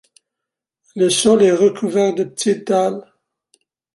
Le sol est recouvert de petites dalles.